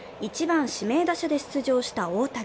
１番・指名打者で出場した大谷。